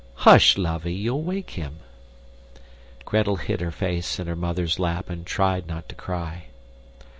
"Hush, lovey, you'll wake him." Gretel hid her face in her mother's lap and tried not to cry.